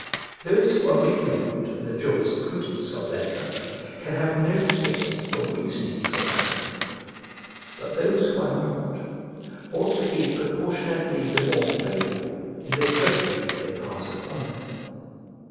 Those who are ignorant of the jurisprudence of their country can have no taste for reasonings of this kind, but those who are not ought to be proportionably the more favourable in the judgments they pass upon them.